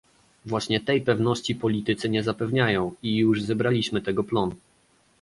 Właśnie tej pewności politycy nie zapewniają, i już zebraliśmy tego plon